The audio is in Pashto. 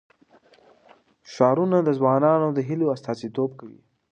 ښارونه د ځوانانو د هیلو استازیتوب کوي.